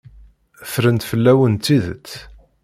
Ffrent fell-awen tidet.